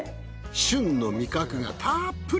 旬の味覚がたっぷり。